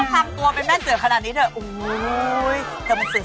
ตามแอฟผู้ชมห้องน้ำด้านนอกกันเลยดีกว่าครับ